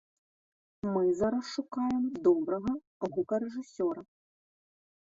Мы зараз шукаем добрага гукарэжысёра.